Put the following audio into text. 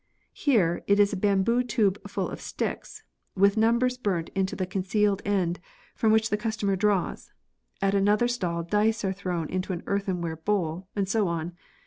Here, it is a bamboo tube full of sticks, with numbers burnt into the concealed end, from which the customer draws ; at another stall dice are thrown into an earthenware bowl, and so on.